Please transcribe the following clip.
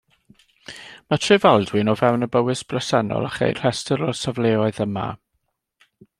Mae Trefaldwyn o fewn y Bowys bresennol a cheir rhestr o'r safleoedd yma.